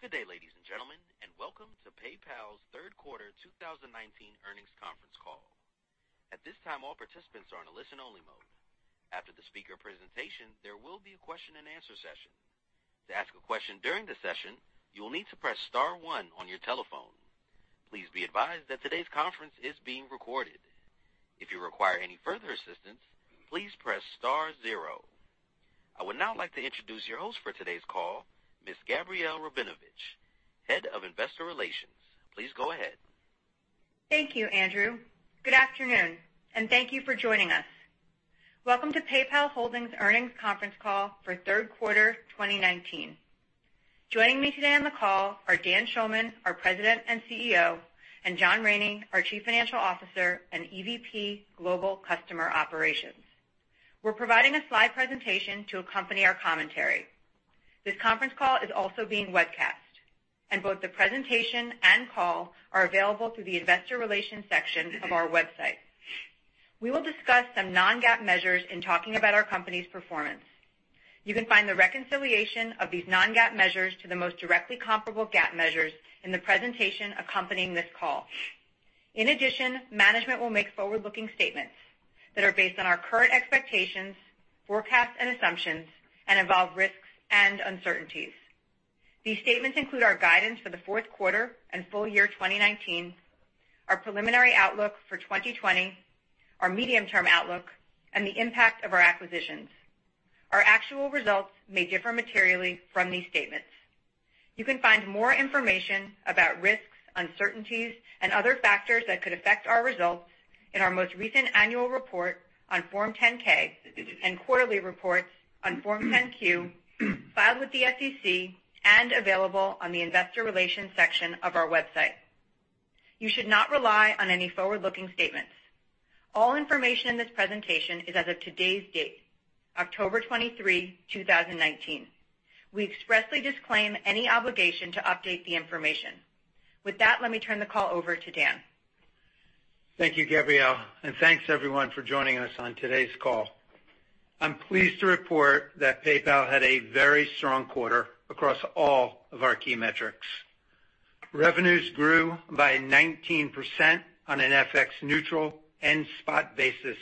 Good day, ladies and gentlemen, and welcome to PayPal's third quarter 2019 earnings conference call. At this time, all participants are in a listen-only mode. After the speaker presentation, there will be a question and answer session. To ask a question during the session, you will need to press star 1 on your telephone. Please be advised that today's conference is being recorded. If you require any further assistance, please press star 0. I would now like to introduce your host for today's call, Ms. Gabrielle Rabinovitch, Head of Investor Relations. Please go ahead. Thank you, Andrew. Good afternoon, and thank you for joining us. Welcome to PayPal Holdings earnings conference call for third quarter 2019. Joining me today on the call are Dan Schulman, our President and CEO, and John Rainey, our Chief Financial Officer and EVP Global Customer Operations. We're providing a slide presentation to accompany our commentary. This conference call is also being webcast, and both the presentation and call are available through the investor relations section of our website. We will discuss some non-GAAP measures in talking about our company's performance. You can find the reconciliation of these non-GAAP measures to the most directly comparable GAAP measures in the presentation accompanying this call. In addition, management will make forward-looking statements that are based on our current expectations, forecasts and assumptions, and involve risks and uncertainties. These statements include our guidance for the fourth quarter and full year 2019, our preliminary outlook for 2020, our medium-term outlook, and the impact of our acquisitions. Our actual results may differ materially from these statements. You can find more information about risks, uncertainties, and other factors that could affect our results in our most recent annual report on Form 10-K and quarterly reports on Form 10-Q filed with the SEC and available on the investor relations section of our website. You should not rely on any forward-looking statements. All information in this presentation is as of today's date, October 23, 2019. We expressly disclaim any obligation to update the information. With that, let me turn the call over to Dan. Thank you, Gabrielle. Thanks everyone for joining us on today's call. I'm pleased to report that PayPal had a very strong quarter across all of our key metrics. Revenues grew by 19% on an FX neutral and spot basis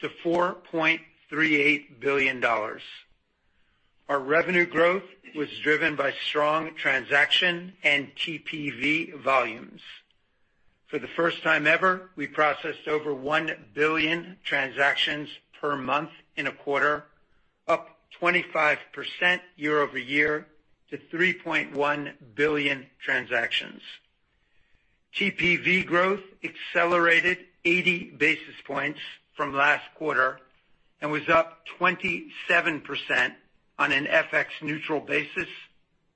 to $4.38 billion. Our revenue growth was driven by strong transaction and TPV volumes. For the first time ever, we processed over 1 billion transactions per month in a quarter, up 25% year-over-year to 3.1 billion transactions. TPV growth accelerated 80 basis points from last quarter and was up 27% on an FX neutral basis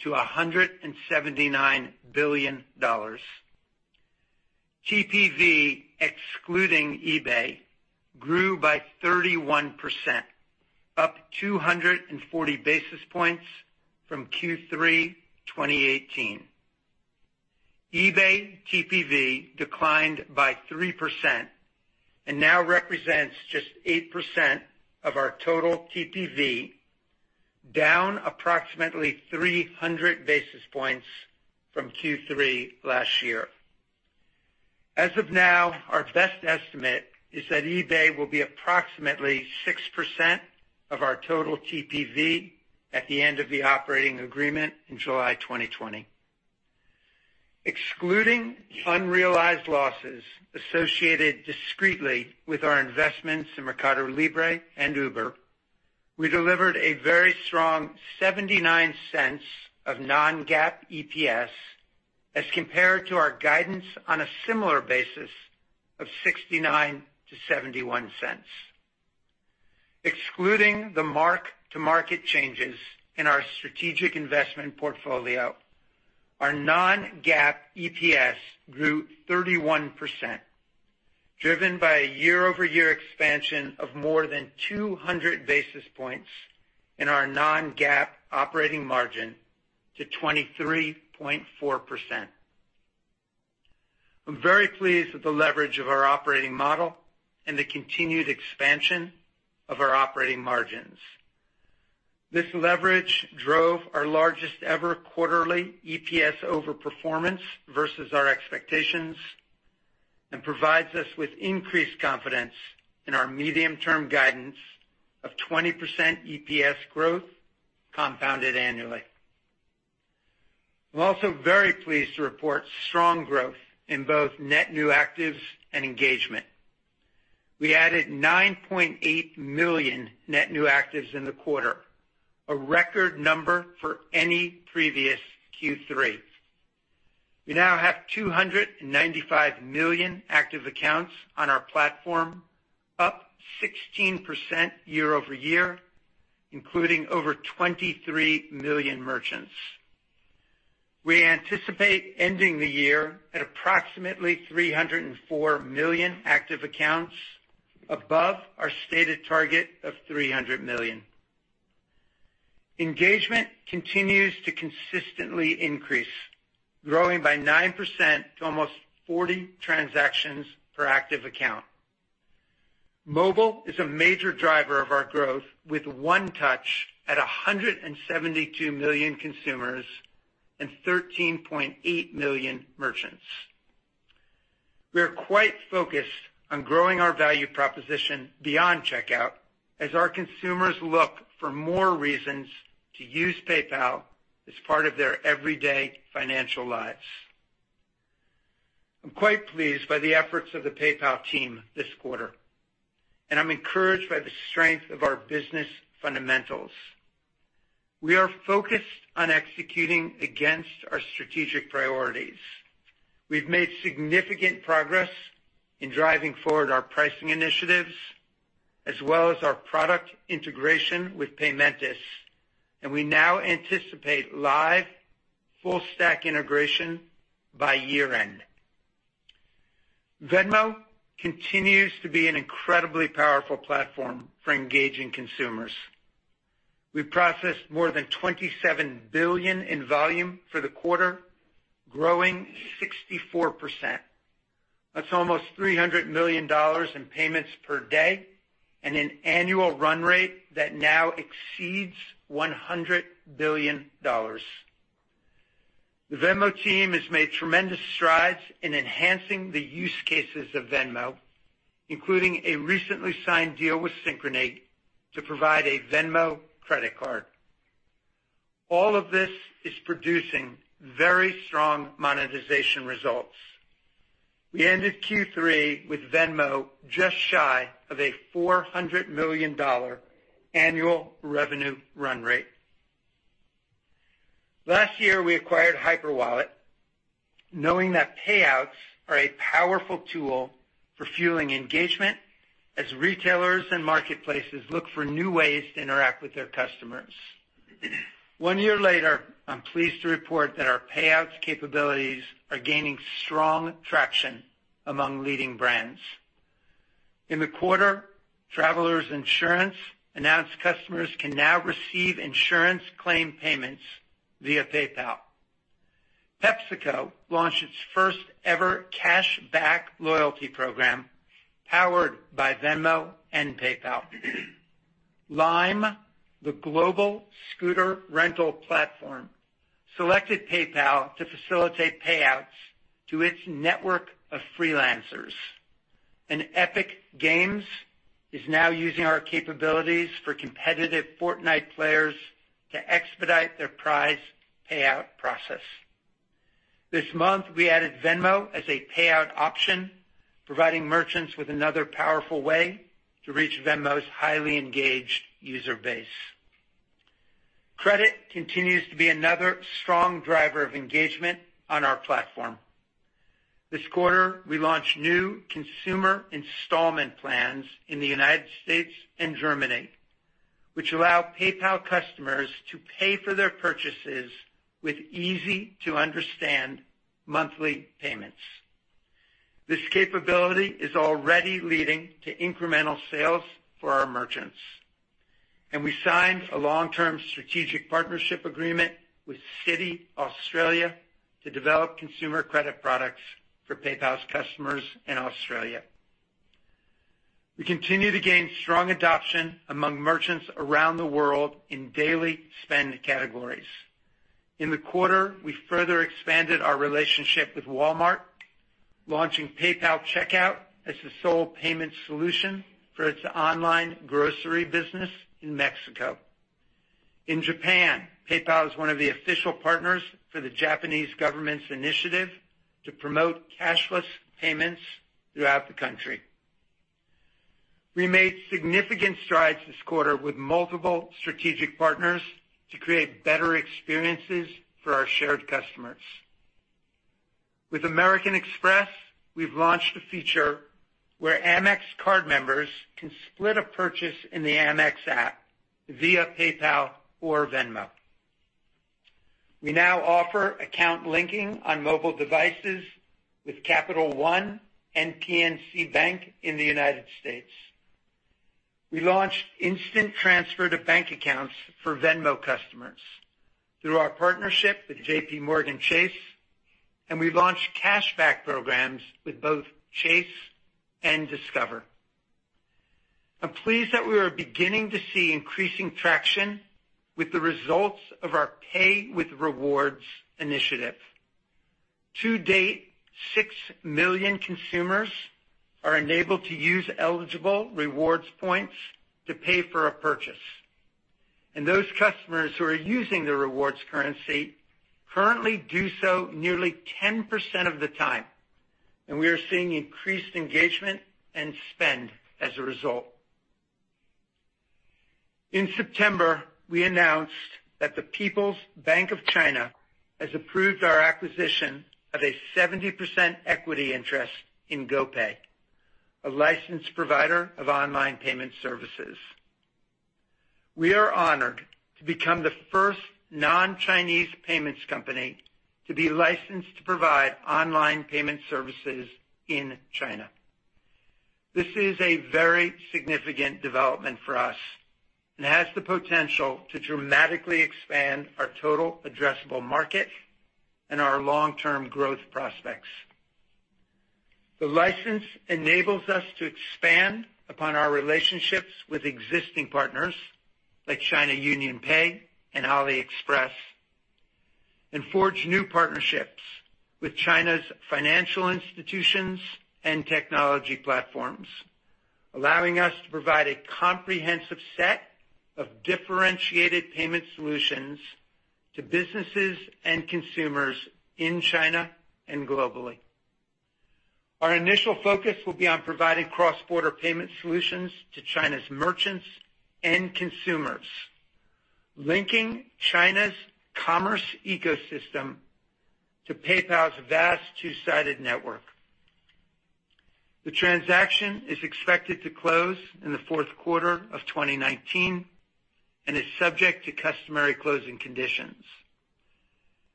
to $179 billion. TPV excluding eBay grew by 31%, up 240 basis points from Q3 2018. eBay TPV declined by 3% and now represents just 8% of our total TPV, down approximately 300 basis points from Q3 last year. As of now, our best estimate is that eBay will be approximately 6% of our total TPV at the end of the operating agreement in July 2020. Excluding unrealized losses associated discreetly with our investments in Mercado Libre and Uber, we delivered a very strong $0.79 of non-GAAP EPS as compared to our guidance on a similar basis of $0.69-$0.71. Excluding the mark-to-market changes in our strategic investment portfolio, our non-GAAP EPS grew 31%, driven by a year-over-year expansion of more than 200 basis points in our non-GAAP operating margin to 23.4%. I'm very pleased with the leverage of our operating model and the continued expansion of our operating margins. This leverage drove our largest ever quarterly EPS over performance versus our expectations and provides us with increased confidence in our medium-term guidance of 20% EPS growth compounded annually. I'm also very pleased to report strong growth in both net new actives and engagement. We added 9.8 million net new actives in the quarter, a record number for any previous Q3. We now have 295 million active accounts on our platform, up 16% year-over-year, including over 23 million merchants. We anticipate ending the year at approximately 304 million active accounts above our stated target of 300 million. Engagement continues to consistently increase, growing by 9% to almost 40 transactions per active account. Mobile is a major driver of our growth with One Touch at 172 million consumers and 13.8 million merchants. We are quite focused on growing our value proposition beyond checkout as our consumers look for more reasons to use PayPal as part of their everyday financial lives. I'm quite pleased by the efforts of the PayPal team this quarter, and I'm encouraged by the strength of our business fundamentals. We are focused on executing against our strategic priorities. We've made significant progress in driving forward our pricing initiatives as well as our product integration with Paymentus, and we now anticipate live full stack integration by year-end. Venmo continues to be an incredibly powerful platform for engaging consumers. We processed more than $27 billion in volume for the quarter, growing 64%. That's almost $300 million in payments per day and an annual run rate that now exceeds $100 billion. The Venmo team has made tremendous strides in enhancing the use cases of Venmo, including a recently signed deal with Synchrony to provide a Venmo credit card. All of this is producing very strong monetization results. We ended Q3 with Venmo just shy of a $400 million annual revenue run rate. Last year, we acquired Hyperwallet, knowing that payouts are a powerful tool for fueling engagement as retailers and marketplaces look for new ways to interact with their customers. One year later, I'm pleased to report that our payouts capabilities are gaining strong traction among leading brands. In the quarter, Travelers Insurance announced customers can now receive insurance claim payments via PayPal. PepsiCo launched its first-ever cashback loyalty program powered by Venmo and PayPal. Lime, the global scooter rental platform, selected PayPal to facilitate payouts to its network of freelancers. Epic Games is now using our capabilities for competitive Fortnite players to expedite their prize payout process. This month, we added Venmo as a payout option, providing merchants with another powerful way to reach Venmo's highly engaged user base. Credit continues to be another strong driver of engagement on our platform. This quarter, we launched new consumer installment plans in the U.S. and Germany, which allow PayPal customers to pay for their purchases with easy-to-understand monthly payments. This capability is already leading to incremental sales for our merchants, and we signed a long-term strategic partnership agreement with Citi Australia to develop consumer credit products for PayPal's customers in Australia. We continue to gain strong adoption among merchants around the world in daily spend categories. In the quarter, we further expanded our relationship with Walmart, launching PayPal Checkout as the sole payment solution for its online grocery business in Mexico. In Japan, PayPal is one of the official partners for the Japanese Government's Initiative to promote cashless payments throughout the country. We made significant strides this quarter with multiple strategic partners to create better experiences for our shared customers. With American Express, we've launched a feature where Amex card members can split a purchase in the Amex app via PayPal or Venmo. We now offer account linking on mobile devices with Capital One and PNC Bank in the United States. We launched instant transfer to bank accounts for Venmo customers through our partnership with JPMorgan Chase, and we launched cashback programs with both Chase and Discover. I'm pleased that we are beginning to see increasing traction with the results of our Pay with Rewards initiative. To date, 6 million consumers are enabled to use eligible rewards points to pay for a purchase, and those customers who are using the rewards currency currently do so nearly 10% of the time, and we are seeing increased engagement and spend as a result. In September, we announced that the People's Bank of China has approved our acquisition of a 70% equity interest in GoPay, a licensed provider of online payment services. We are honored to become the first non-Chinese payments company to be licensed to provide online payment services in China. This is a very significant development for us and has the potential to dramatically expand our total addressable market. Our long-term growth prospects. The license enables us to expand upon our relationships with existing partners like China UnionPay and AliExpress, and forge new partnerships with China's financial institutions and technology platforms, allowing us to provide a comprehensive set of differentiated payment solutions to businesses and consumers in China and globally. Our initial focus will be on providing cross-border payment solutions to China's merchants and consumers, linking China's commerce ecosystem to PayPal's vast two-sided network. The transaction is expected to close in the fourth quarter of 2019 and is subject to customary closing conditions.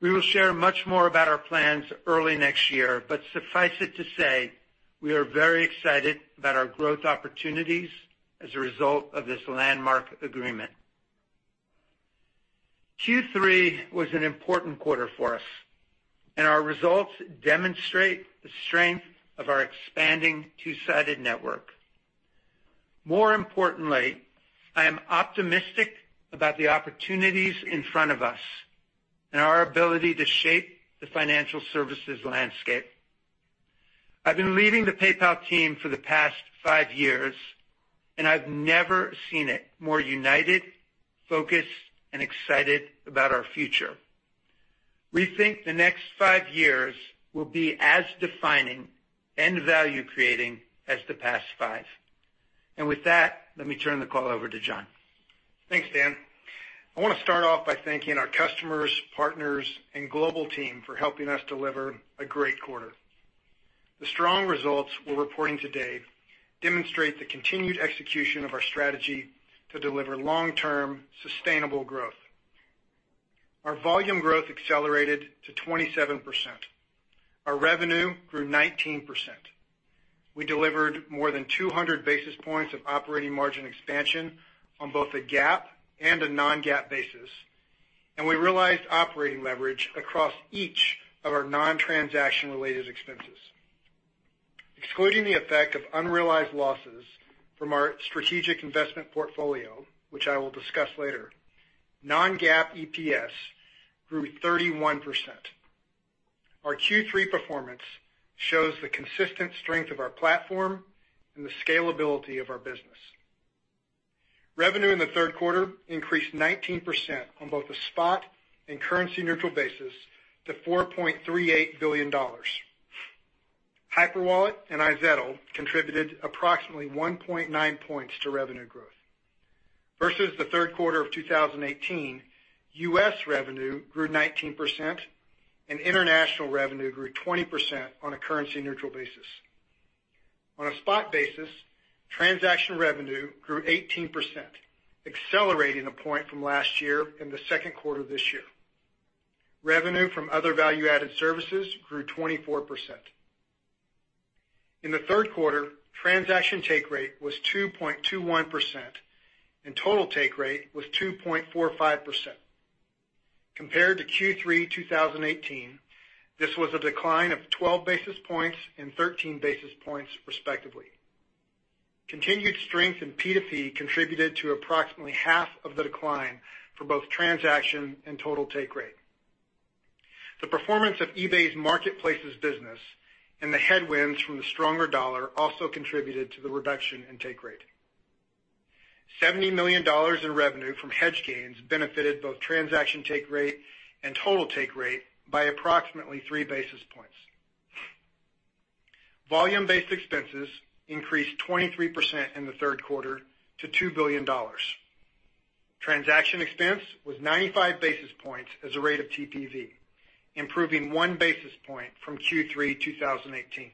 We will share much more about our plans early next year. Suffice it to say, we are very excited about our growth opportunities as a result of this landmark agreement. Q3 was an important quarter for us, and our results demonstrate the strength of our expanding two-sided network. More importantly, I am optimistic about the opportunities in front of us and our ability to shape the financial services landscape. I've been leading the PayPal team for the past five years, and I've never seen it more united, focused, and excited about our future. We think the next five years will be as defining and value-creating as the past five. With that, let me turn the call over to John. Thanks, Dan. I want to start off by thanking our customers, partners, and global team for helping us deliver a great quarter. The strong results we're reporting today demonstrate the continued execution of our strategy to deliver long-term sustainable growth. Our volume growth accelerated to 27%. Our revenue grew 19%. We delivered more than 200 basis points of operating margin expansion on both a GAAP and a non-GAAP basis, and we realized operating leverage across each of our non-transaction related expenses. Excluding the effect of unrealized losses from our strategic investment portfolio, which I will discuss later, non-GAAP EPS grew 31%. Our Q3 performance shows the consistent strength of our platform and the scalability of our business. Revenue in the third quarter increased 19% on both a spot and currency neutral basis to $4.38 billion. Hyperwallet and iZettle contributed approximately 1.9 points to revenue growth. Versus the third quarter of 2018, U.S. revenue grew 19% and international revenue grew 20% on a currency neutral basis. On a spot basis, transaction revenue grew 18%, accelerating a point from last year in the second quarter of this year. Revenue from other value-added services grew 24%. In the third quarter, transaction take rate was 2.21%, and total take rate was 2.45%. Compared to Q3 2018, this was a decline of 12 basis points and 13 basis points respectively. Continued strength in P2P contributed to approximately half of the decline for both transaction and total take rate. The performance of eBay's marketplaces business and the headwinds from the stronger dollar also contributed to the reduction in take rate. $70 million in revenue from hedge gains benefited both transaction take rate and total take rate by approximately three basis points. Volume-based expenses increased 23% in the third quarter to $2 billion. Transaction expense was 95 basis points as a rate of TPV, improving one basis point from Q3 2018.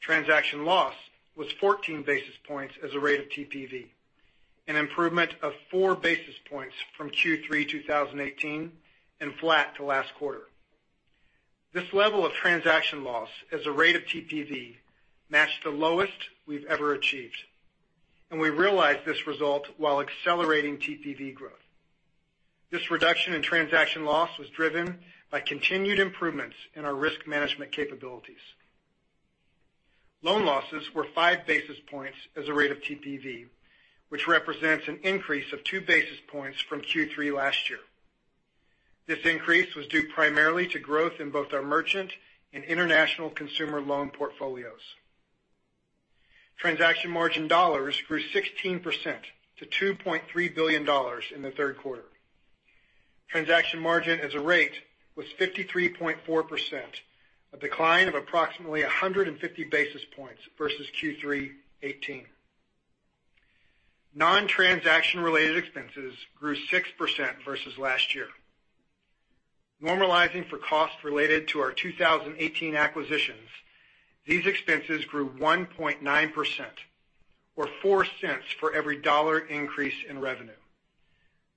Transaction loss was 14 basis points as a rate of TPV, an improvement of four basis points from Q3 2018 and flat to last quarter. This level of transaction loss as a rate of TPV matched the lowest we've ever achieved, and we realized this result while accelerating TPV growth. This reduction in transaction loss was driven by continued improvements in our risk management capabilities. Loan losses were five basis points as a rate of TPV, which represents an increase of two basis points from Q3 last year. This increase was due primarily to growth in both our merchant and international consumer loan portfolios. Transaction margin dollars grew 16% to $2.3 billion in the third quarter. Transaction margin as a rate was 53.4%, a decline of approximately 150 basis points versus Q3 2018. Non-transaction related expenses grew 6% versus last year. Normalizing for costs related to our 2018 acquisitions, these expenses grew 1.9% or $0.04 for every one dollar increase in revenue.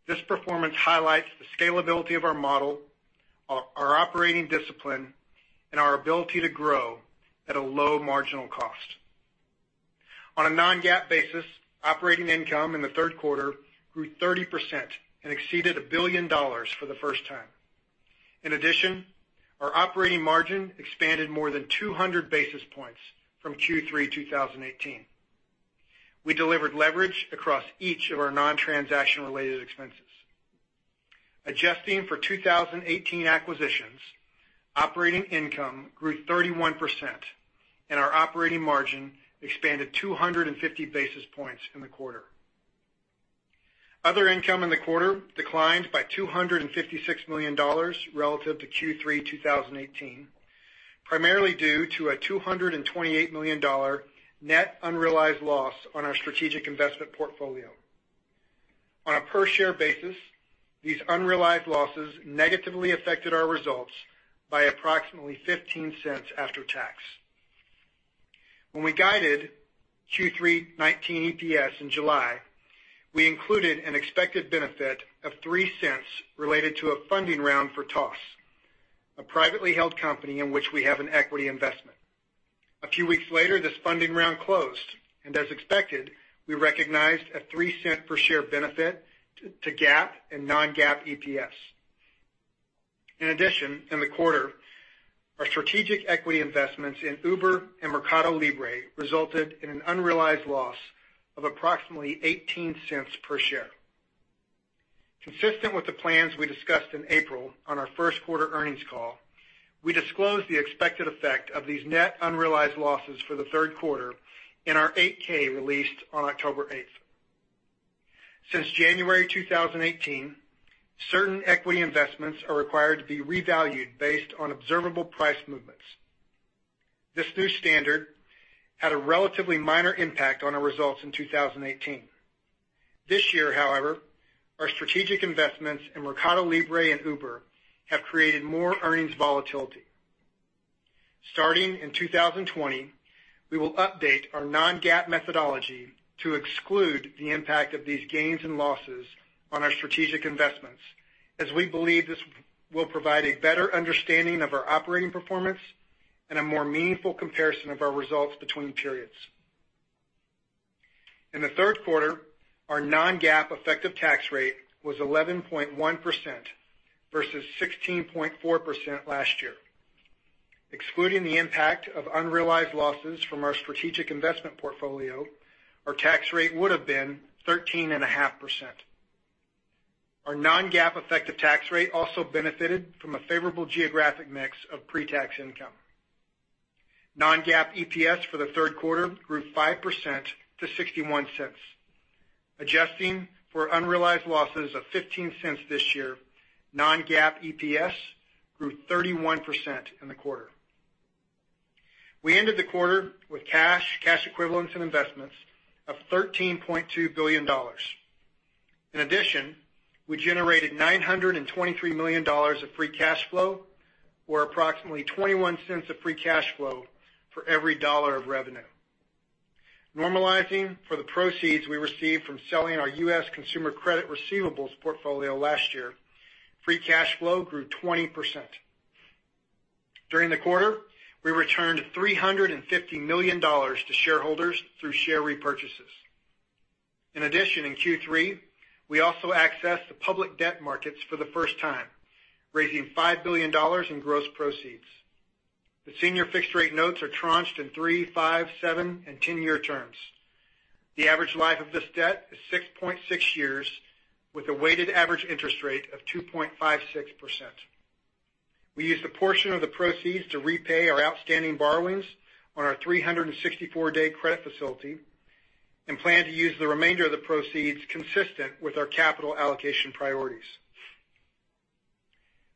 This performance highlights the scalability of our model, our operating discipline, and our ability to grow at a low marginal cost. On a non-GAAP basis, operating income in the third quarter grew 30% and exceeded $1 billion for the first time. In addition, our operating margin expanded more than 200 basis points from Q3 2018. We delivered leverage across each of our non-transaction related expenses. Adjusting for 2018 acquisitions, operating income grew 31%, and our operating margin expanded 250 basis points in the quarter. Other income in the quarter declined by $256 million relative to Q3 2018, primarily due to a $228 million net unrealized loss on our strategic investment portfolio. On a per-share basis, these unrealized losses negatively affected our results by approximately $0.15 after tax. When we guided Q3 2019 EPS in July, we included an expected benefit of $0.03 related to a funding round for Toss, a privately held company in which we have an equity investment. A few weeks later, this funding round closed, and as expected, we recognized a $0.03 per share benefit to GAAP and non-GAAP EPS. In addition, in the quarter, our strategic equity investments in Uber and Mercado Libre resulted in an unrealized loss of approximately $0.18 per share. Consistent with the plans we discussed in April on our first quarter earnings call, we disclosed the expected effect of these net unrealized losses for the third quarter in our 8-K released on October 8th. Since January 2018, certain equity investments are required to be revalued based on observable price movements. This new standard had a relatively minor impact on our results in 2018. This year, however, our strategic investments in Mercado Libre and Uber have created more earnings volatility. Starting in 2020, we will update our non-GAAP methodology to exclude the impact of these gains and losses on our strategic investments, as we believe this will provide a better understanding of our operating performance and a more meaningful comparison of our results between periods. In the third quarter, our non-GAAP effective tax rate was 11.1% versus 16.4% last year. Excluding the impact of unrealized losses from our strategic investment portfolio, our tax rate would have been 13.5%. Our non-GAAP effective tax rate also benefited from a favorable geographic mix of pre-tax income. Non-GAAP EPS for the third quarter grew 5% to $0.61. Adjusting for unrealized losses of $0.15 this year, non-GAAP EPS grew 31% in the quarter. We ended the quarter with cash equivalents, and investments of $13.2 billion. We generated $923 million of free cash flow or approximately $0.21 of free cash flow for every $1 of revenue. Normalizing for the proceeds we received from selling our U.S. consumer credit receivables portfolio last year, free cash flow grew 20%. During the quarter, we returned $350 million to shareholders through share repurchases. In Q3, we also accessed the public debt markets for the first time, raising $5 billion in gross proceeds. The senior fixed rate notes are tranched in three, five, seven and 10-year terms. The average life of this debt is 6.6 years with a weighted average interest rate of 2.56%. We used a portion of the proceeds to repay our outstanding borrowings on our 364-day credit facility and plan to use the remainder of the proceeds consistent with our capital allocation priorities.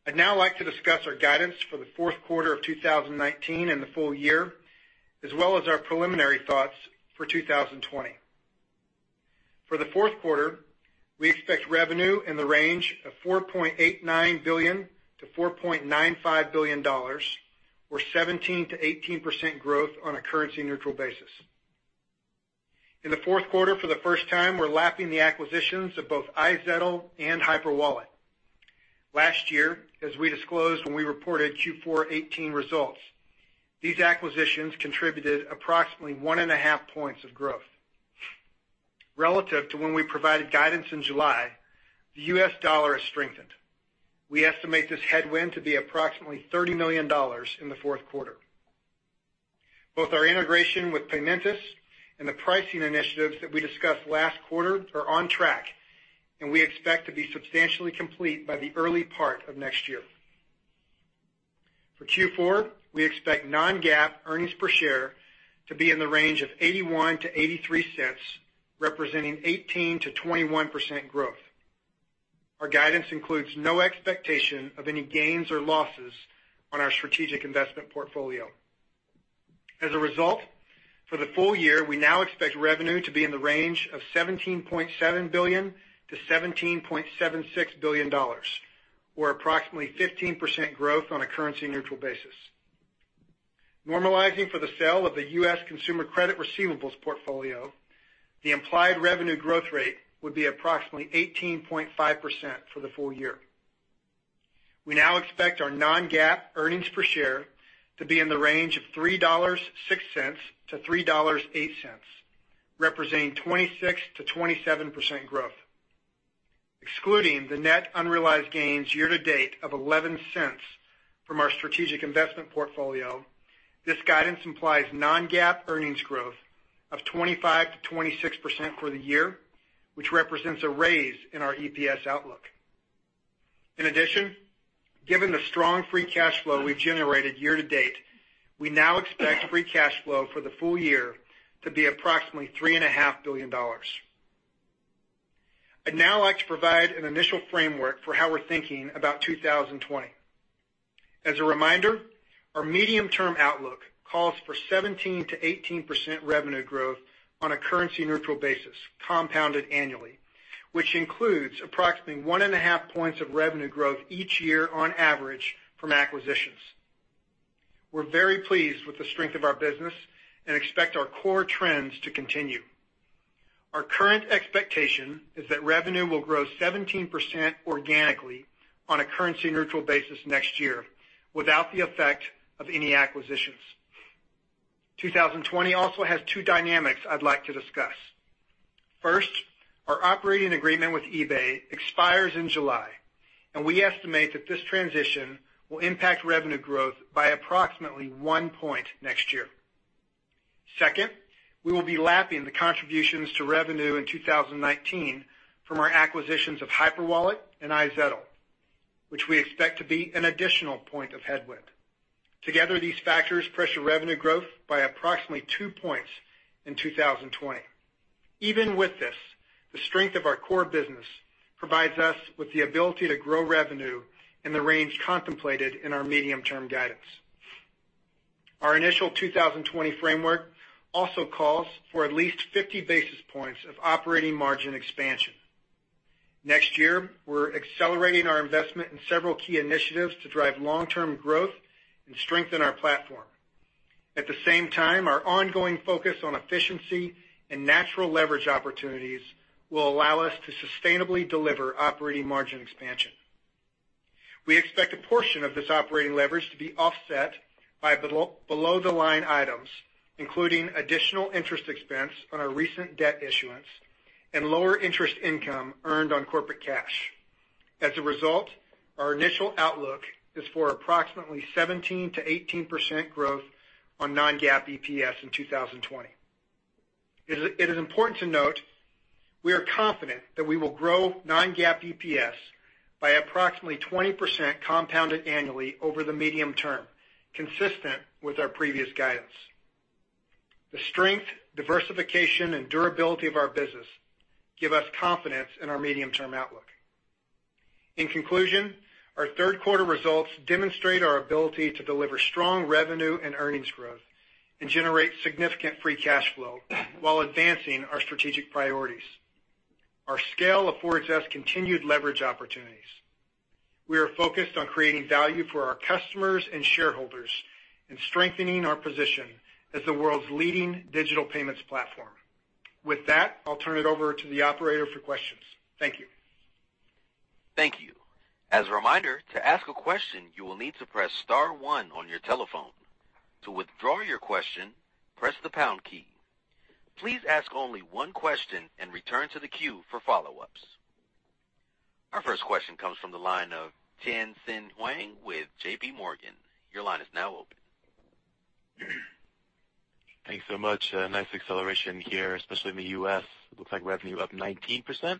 I'd now like to discuss our guidance for the fourth quarter of 2019 and the full year, as well as our preliminary thoughts for 2020. For the fourth quarter, we expect revenue in the range of $4.89 billion-$4.95 billion, or 17%-18% growth on a currency-neutral basis. In the fourth quarter, for the first time, we're lapping the acquisitions of both iZettle and Hyperwallet. Last year, as we disclosed when we reported Q4 2018 results, these acquisitions contributed approximately one and a half points of growth. Relative to when we provided guidance in July, the U.S. dollar has strengthened. We estimate this headwind to be approximately $30 million in the fourth quarter. Both our integration with Paymentus and the pricing initiatives that we discussed last quarter are on track, and we expect to be substantially complete by the early part of next year. For Q4, we expect non-GAAP earnings per share to be in the range of $0.81-$0.83, representing 18%-21% growth. Our guidance includes no expectation of any gains or losses on our strategic investment portfolio. As a result, for the full year, we now expect revenue to be in the range of $17.7 billion-$17.76 billion, or approximately 15% growth on a currency neutral basis. Normalizing for the sale of the U.S. consumer credit receivables portfolio, the implied revenue growth rate would be approximately 18.5% for the full year. We now expect our non-GAAP earnings per share to be in the range of $3.06-$3.08, representing 26%-27% growth. Excluding the net unrealized gains year to date of $0.11 from our strategic investment portfolio, this guidance implies non-GAAP earnings growth of 25%-26% for the year, which represents a raise in our EPS outlook. In addition, given the strong free cash flow we've generated year to date, we now expect free cash flow for the full year to be approximately $3.5 billion. I'd now like to provide an initial framework for how we're thinking about 2020. As a reminder, our medium-term outlook calls for 17%-18% revenue growth on a currency-neutral basis, compounded annually, which includes approximately 1.5 points of revenue growth each year on average from acquisitions. We're very pleased with the strength of our business and expect our core trends to continue. Our current expectation is that revenue will grow 17% organically on a currency-neutral basis next year without the effect of any acquisitions. 2020 also has 2 dynamics I'd like to discuss. First, our operating agreement with eBay expires in July, and we estimate that this transition will impact revenue growth by approximately 1 point next year. Second, we will be lapping the contributions to revenue in 2019 from our acquisitions of Hyperwallet and iZettle, which we expect to be an additional 1 point of headwind. Together, these factors pressure revenue growth by approximately 2 points in 2020. Even with this, the strength of our core business provides us with the ability to grow revenue in the range contemplated in our medium-term guidance. Our initial 2020 framework also calls for at least 50 basis points of operating margin expansion. Next year, we're accelerating our investment in several key initiatives to drive long-term growth and strengthen our platform. At the same time, our ongoing focus on efficiency and natural leverage opportunities will allow us to sustainably deliver operating margin expansion. We expect a portion of this operating leverage to be offset by below-the-line items, including additional interest expense on our recent debt issuance and lower interest income earned on corporate cash. As a result, our initial outlook is for approximately 17%-18% growth on non-GAAP EPS in 2020. It is important to note we are confident that we will grow non-GAAP EPS by approximately 20% compounded annually over the medium term, consistent with our previous guidance. The strength, diversification, and durability of our business give us confidence in our medium-term outlook. In conclusion, our third-quarter results demonstrate our ability to deliver strong revenue and earnings growth and generate significant free cash flow while advancing our strategic priorities. Our scale affords us continued leverage opportunities. We are focused on creating value for our customers and shareholders and strengthening our position as the world's leading digital payments platform. With that, I'll turn it over to the operator for questions. Thank you. Thank you. As a reminder, to ask a question, you will need to press *1 on your telephone. To withdraw your question, press the # key. Please ask only one question and return to the queue for follow-ups. Our first question comes from the line of Tien-Tsin Huang with JPMorgan. Your line is now open. Thanks so much. A nice acceleration here, especially in the U.S. It looks like revenue up 19%.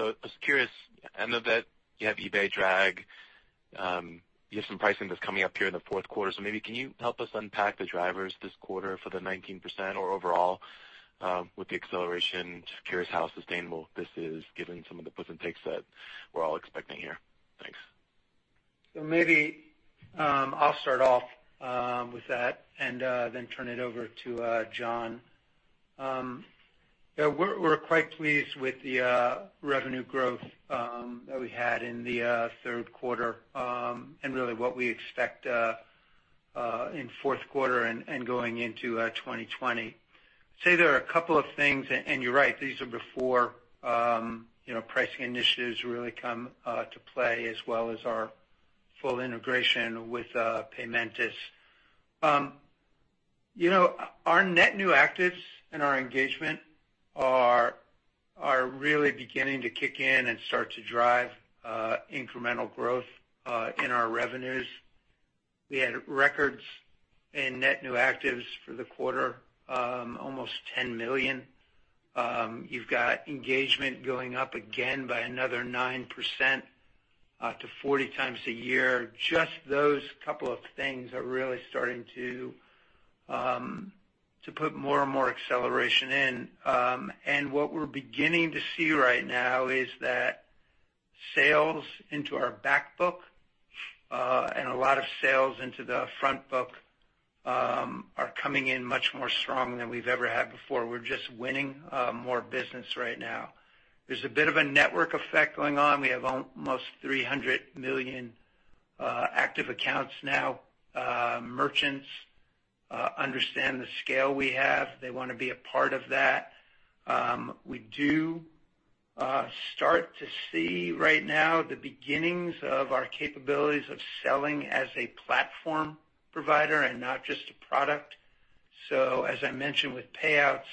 I was curious, I know that you have eBay drag, you have some pricing that's coming up here in the fourth quarter. Maybe can you help us unpack the drivers this quarter for the 19% or overall with the acceleration? Just curious how sustainable this is given some of the puts and takes that we're all expecting here. Thanks. Maybe I'll start off with that and then turn it over to John. We're quite pleased with the revenue growth that we had in the third quarter and really what we expect in fourth quarter and going into 2020. I'd say there are a couple of things, and you're right, these are before pricing initiatives really come to play, as well as our full integration with Paymentus. Our net new actives and our engagement are really beginning to kick in and start to drive incremental growth in our revenues. We had records in net new actives for the quarter, almost 10 million. You've got engagement going up again by another 9% to 40 times a year. Just those couple of things are really starting to put more and more acceleration in. What we're beginning to see right now is that sales into our back book and a lot of sales into the front book are coming in much more strong than we've ever had before. We're just winning more business right now. There's a bit of a network effect going on. We have almost 300 million active accounts now, merchants. Understand the scale we have. They want to be a part of that. We do start to see right now the beginnings of our capabilities of selling as a platform provider and not just a product. As I mentioned with payouts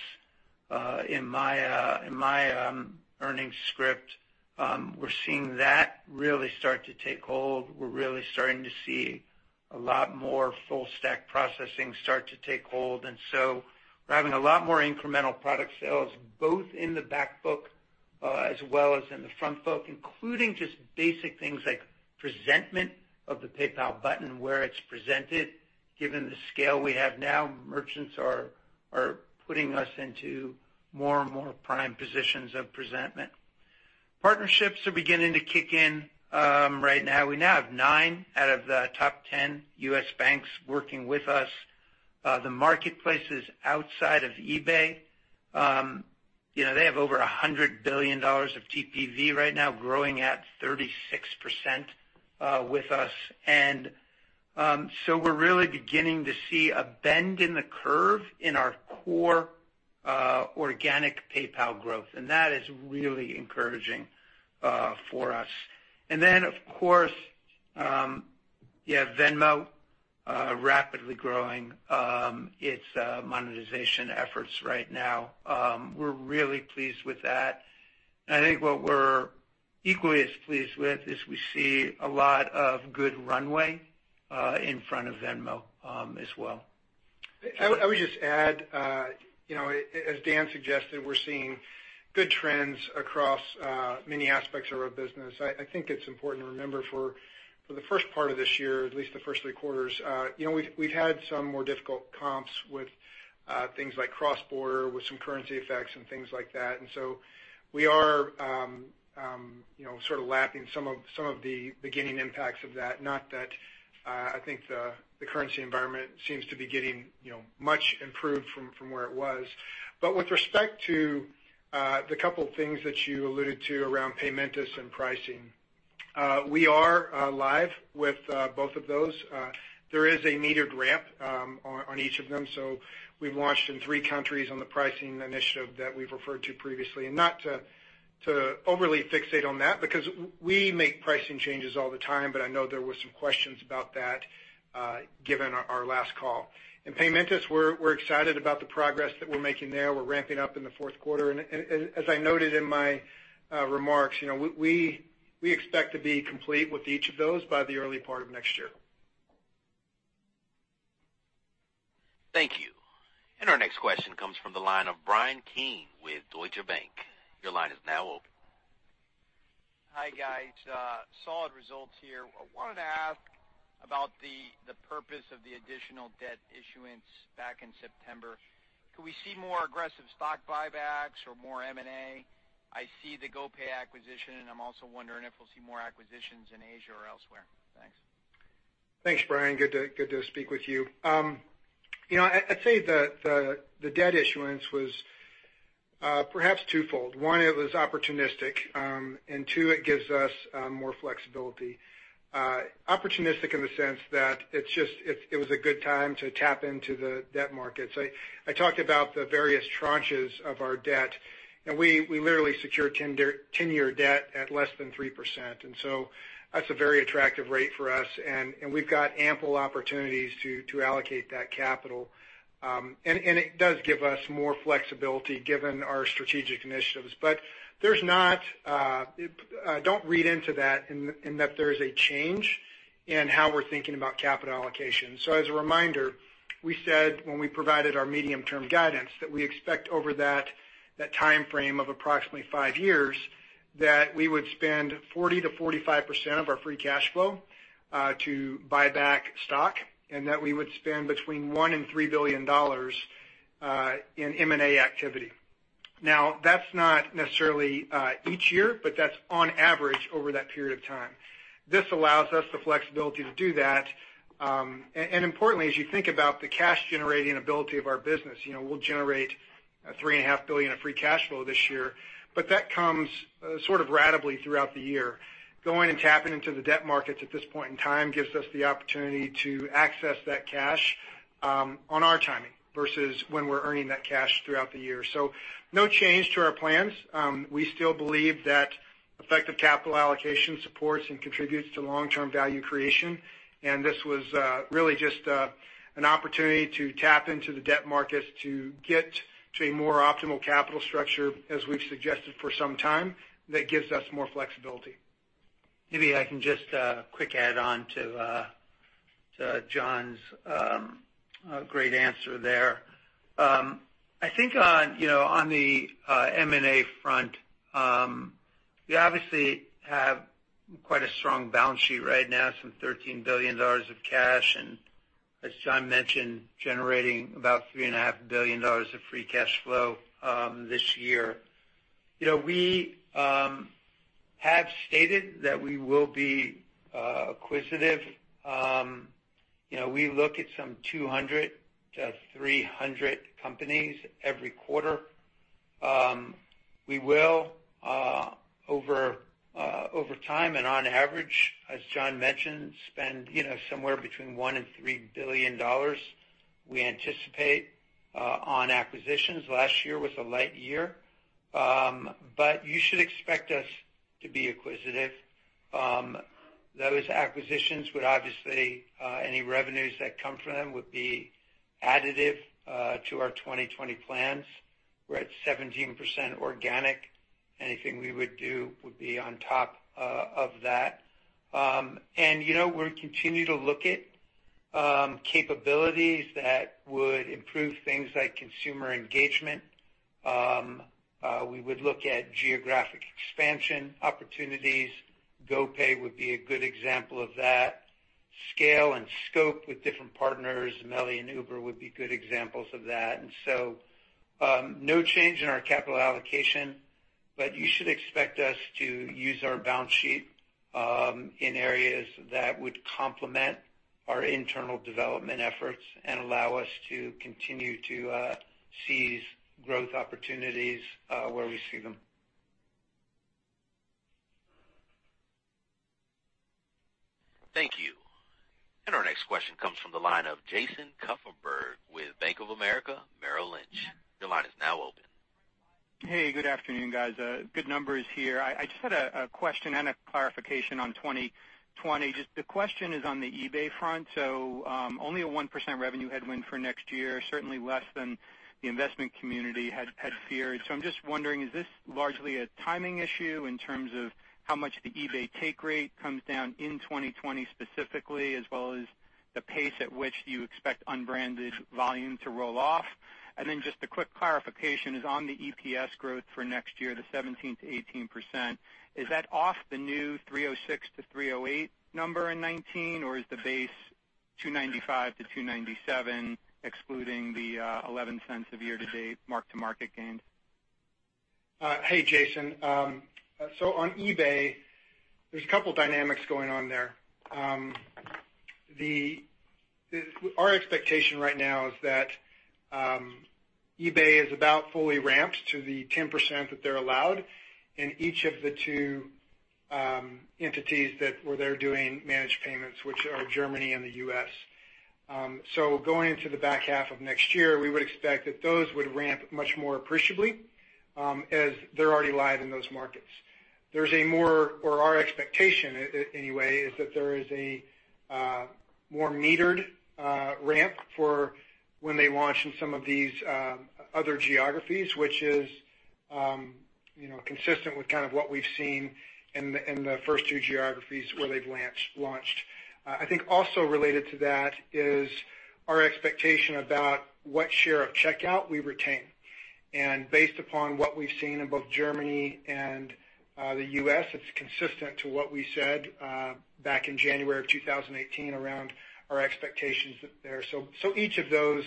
in my earnings script, we're seeing that really start to take hold. We're really starting to see a lot more full stack processing start to take hold. We're having a lot more incremental product sales, both in the back book as well as in the front book, including just basic things like presentment of the PayPal button, where it's presented, given the scale we have now, merchants are putting us into more and more prime positions of presentment. Partnerships are beginning to kick in right now. We now have nine out of the top 10 U.S. banks working with us. The marketplaces outside of eBay, they have over $100 billion of TPV right now growing at 36% with us. We're really beginning to see a bend in the curve in our core organic PayPal growth. That is really encouraging for us. Of course, you have Venmo rapidly growing its monetization efforts right now. We're really pleased with that. I think what we're equally as pleased with is we see a lot of good runway in front of Venmo as well. I would just add, as Dan suggested, we're seeing good trends across many aspects of our business. I think it's important to remember for the first part of this year, at least the first three quarters, we've had some more difficult comps with things like cross-border, with some currency effects and things like that. We are sort of lapping some of the beginning impacts of that. Not that I think the currency environment seems to be getting much improved from where it was. With respect to the couple of things that you alluded to around Paymentus and pricing. We are live with both of those. There is a metered ramp on each of them. We've launched in three countries on the pricing initiative that we've referred to previously. Not to overly fixate on that because we make pricing changes all the time, but I know there were some questions about that given our last call. In Paymentus, we're excited about the progress that we're making there. We're ramping up in the fourth quarter, and as I noted in my remarks, we expect to be complete with each of those by the early part of next year. Thank you. Our next question comes from the line of Bryan Keane with Deutsche Bank. Your line is now open. Hi, guys. Solid results here. I wanted to ask about the purpose of the additional debt issuance back in September. Could we see more aggressive stock buybacks or more M&A? I see the GoPay acquisition, and I'm also wondering if we'll see more acquisitions in Asia or elsewhere. Thanks. Thanks, Bryan. Good to speak with you. I'd say the debt issuance was perhaps twofold. One, it was opportunistic, and two, it gives us more flexibility. Opportunistic in the sense that it was a good time to tap into the debt markets. I talked about the various tranches of our debt. We literally secured 10-year debt at less than 3%. That's a very attractive rate for us, and we've got ample opportunities to allocate that capital. It does give us more flexibility given our strategic initiatives. Don't read into that in that there is a change in how we're thinking about capital allocation. As a reminder, we said when we provided our medium-term guidance that we expect over that timeframe of approximately five years, that we would spend 40%-45% of our free cash flow to buy back stock, and that we would spend between $1 billion and $3 billion in M&A activity. That's not necessarily each year, but that's on average over that period of time. This allows us the flexibility to do that. Importantly, as you think about the cash-generating ability of our business, we'll generate $3.5 billion of free cash flow this year, but that comes sort of ratably throughout the year. Going and tapping into the debt markets at this point in time gives us the opportunity to access that cash on our timing versus when we're earning that cash throughout the year. No change to our plans. We still believe that effective capital allocation supports and contributes to long-term value creation, and this was really just an opportunity to tap into the debt markets to get to a more optimal capital structure, as we've suggested for some time, that gives us more flexibility. Maybe I can just quick add on to John's great answer there. I think on the M&A front, we obviously have quite a strong balance sheet right now, some $13 billion of cash, and as John mentioned, generating about three and a half billion dollars of free cash flow this year. We have stated that we will be acquisitive. We look at some 200 to 300 companies every quarter. We will, over time and on average, as John mentioned, spend somewhere between $1 billion and $3 billion, we anticipate, on acquisitions. Last year was a light year. You should expect us to be acquisitive. Those acquisitions would obviously, any revenues that come from them, would be additive to our 2020 plans. We're at 17% organic. Anything we would do would be on top of that. We continue to look at capabilities that would improve things like consumer engagement. We would look at geographic expansion opportunities. GoPay would be a good example of that. Scale and scope with different partners, Melio and Uber would be good examples of that. No change in our capital allocation, but you should expect us to use our balance sheet in areas that would complement our internal development efforts and allow us to continue to seize growth opportunities where we see them. Thank you. Our next question comes from the line of Jason Kupferberg with Bank of America Merrill Lynch. Your line is now open. Hey, good afternoon, guys. Good numbers here. I just had a question and a clarification on 2020. Just the question is on the eBay front. Only a 1% revenue headwind for next year, certainly less than the investment community had feared. I'm just wondering, is this largely a timing issue in terms of how much the eBay take rate comes down in 2020 specifically, as well as the pace at which you expect unbranded volume to roll off? Just a quick clarification is on the EPS growth for next year, the 17%-18%, is that off the new $3.06-$3.08 number in 2019, or is the base $2.95-$2.97, excluding the $0.11 of year-to-date mark-to-market gains? Hey, Jason. On eBay, there's a couple dynamics going on there. Our expectation right now is that eBay is about fully ramped to the 10% that they're allowed in each of the two entities where they're doing managed payments, which are Germany and the U.S. Going into the back half of next year, we would expect that those would ramp much more appreciably, as they're already live in those markets. Our expectation, anyway, is that there is a more metered ramp for when they launch in some of these other geographies, which is consistent with what we've seen in the first two geographies where they've launched. I think also related to that is our expectation about what share of checkout we retain. Based upon what we've seen in both Germany and the U.S., it's consistent to what we said back in January of 2018 around our expectations there. Each of those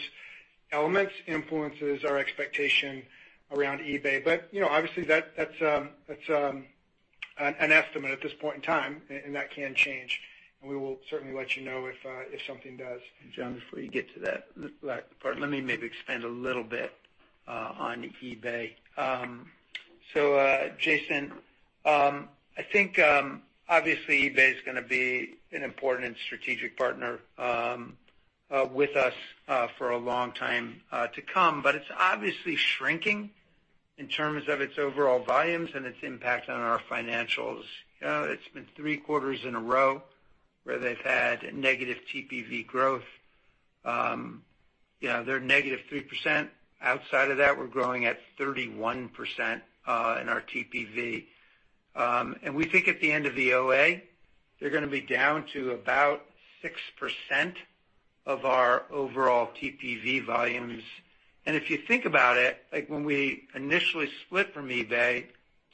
elements influences our expectation around eBay. Obviously that's an estimate at this point in time, and that can change, and we will certainly let you know if something does. John, before you get to that last part, let me maybe expand a little bit on eBay. Jason, I think, obviously eBay is going to be an important and strategic partner with us for a long time to come, but it's obviously shrinking in terms of its overall volumes and its impact on our financials. It's been 3 quarters in a row where they've had negative TPV growth. They're -3%. Outside of that, we're growing at 31% in our TPV. We think at the end of the OA, they're going to be down to about 6% of our overall TPV volumes. If you think about it, when we initially split from eBay,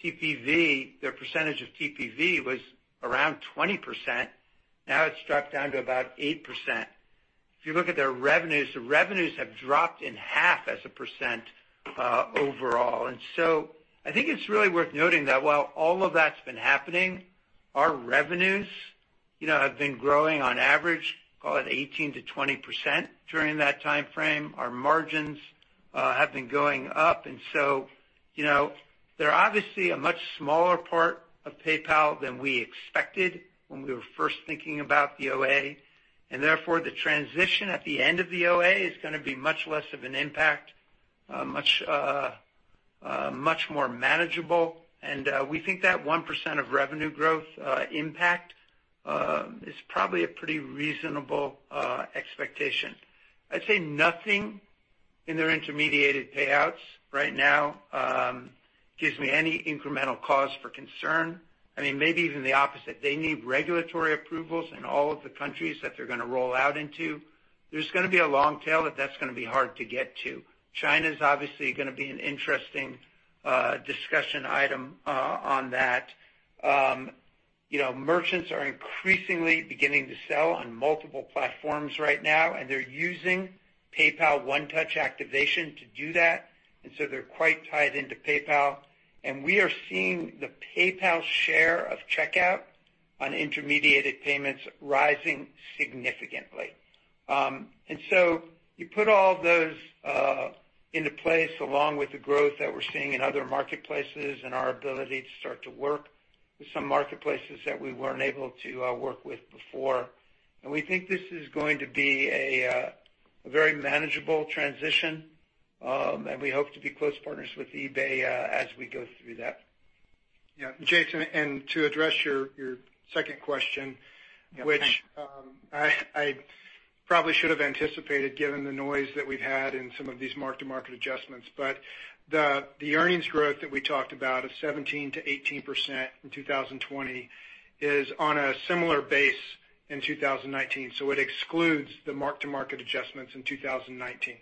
their percentage of TPV was around 20%. Now it's dropped down to about 8%. If you look at their revenues, the revenues have dropped in half as a percent overall. I think it's really worth noting that while all of that's been happening, our revenues have been growing on average, call it 18% to 20% during that timeframe. Our margins have been going up. They're obviously a much smaller part of PayPal than we expected when we were first thinking about the OA. Therefore the transition at the end of the OA is gonna be much less of an impact, much more manageable, and we think that 1% of revenue growth impact is probably a pretty reasonable expectation. I'd say nothing in their intermediated payouts right now gives me any incremental cause for concern. Maybe even the opposite. They need regulatory approvals in all of the countries that they're gonna roll out into. There's gonna be a long tail that's gonna be hard to get to. China's obviously gonna be an interesting discussion item on that. Merchants are increasingly beginning to sell on multiple platforms right now, and they're using PayPal One Touch activation to do that, and so they're quite tied into PayPal. We are seeing the PayPal share of PayPal Checkout intermediated payments rising significantly. You put all those into place along with the growth that we're seeing in other marketplaces and our ability to start to work with some marketplaces that we weren't able to work with before. We think this is going to be a very manageable transition, and we hope to be close partners with eBay as we go through that. Yeah. Jason, to address your second question- Yeah. Thanks. which I probably should have anticipated given the noise that we've had in some of these mark-to-market adjustments. The earnings growth that we talked about of 17%-18% in 2020 is on a similar base in 2019. It excludes the mark-to-market adjustments in 2019.